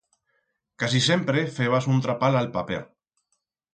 Casi sempre febas un trapal a'l paper.